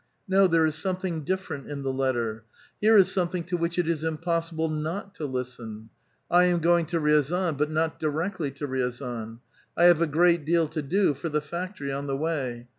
No, there is something different in the letter ; here is something to which it is impossible not to listen :^' I am going to Kiazau, but not directly to liiazan. I. have a great deal to do for the factory on the way.